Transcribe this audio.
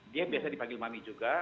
dia biasa dipanggil mami juga